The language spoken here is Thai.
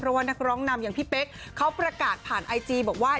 เพราะว่านักร้องนำอย่างพี่เป๊กเขาประกาศผ่านไอจีบอกว่า